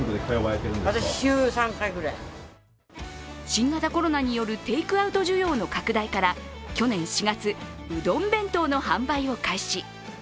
新型コロナによるテイクアウト需要の拡大から去年４月、うどん弁当の販売を開始。